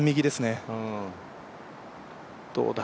どうだ？